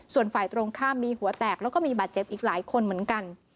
ส่วนฝ่ายตรงข้ามมีหัวแตกแล้วก็มีบาดเจ็บอีกหลายคนเหมือนกัน